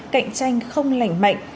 cạnh tranh không lảnh mạnh